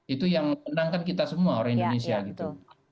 itu yang menenangkan kita semua orang indonesia gitu